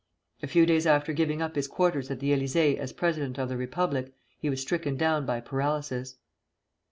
A few days after giving up his quarters at the Élysée as president of the Republic, he was stricken down by paralysis.